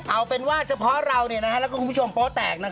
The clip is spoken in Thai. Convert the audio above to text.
เอาเป็นว่าเฉพาะเราเนี่ยนะครับแล้วก็คุณผู้ชมโปรแตกนะครับ